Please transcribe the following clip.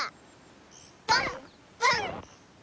パンパン！